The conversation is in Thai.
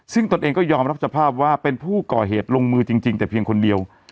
ซึ่งตนเองก็ยอมรับสภาพว่าเป็นผู้ก่อเหตุลงมือจริงแต่เพียงคนเดียว